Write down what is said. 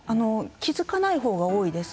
気付かないほうが多いです。